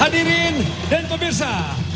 hadirin dan pemirsa